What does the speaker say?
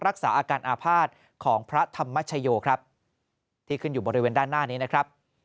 รักษาอาการอาภาษณ์ของพระธรรมชโยครับที่ขึ้นอยู่บริเวณด้านหน้านี้นะครับ